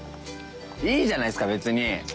いいじゃないっすか別に。